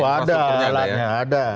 oh ada alatnya ada